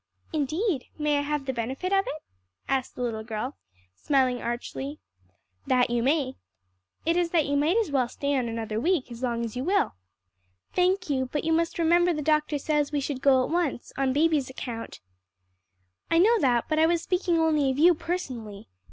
"Indeed! may I have the benefit of it?" asked the little girl, smiling archly. "That you may. It is that you might as well stay on another week, or as long as you will." "Thank you, but you must remember the doctor says we should go at once, on baby's account." "I know that, but I was speaking only of you personally.